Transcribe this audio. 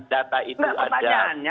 data itu ada